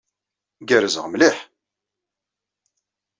Gerrzeɣ mliḥ.